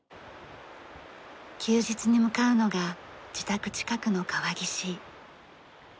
休日に向かうのが自宅近くの川岸。